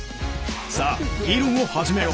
さあ議論を始めよう。